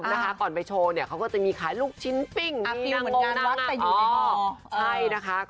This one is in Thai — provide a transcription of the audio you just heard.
คุณผู้ชมก่อนไปโชว์เขาก็จะมีลูกชิ้นปี่งนี่อยู่ในฮอล์